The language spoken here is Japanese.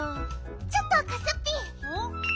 ちょっとかすッピ。